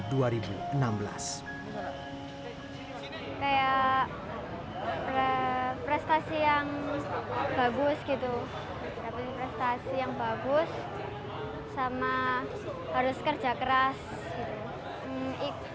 kayak prestasi yang bagus gitu dapat prestasi yang bagus sama harus kerja keras gitu